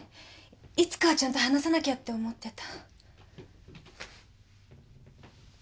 いつかはちゃんと話さなきゃって思ってた。